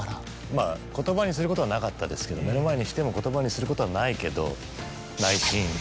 まぁ言葉にすることはなかったですけど目の前にしても言葉にすることはないけど。